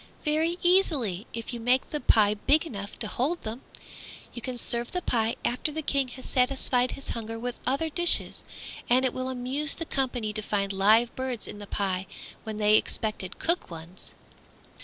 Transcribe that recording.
"Very easily, if you make the pie big enough to hold them. You can serve the pie after the King has satisfied his hunger with other dishes, and it will amuse the company to find live birds in the pie when they expected cooked ones."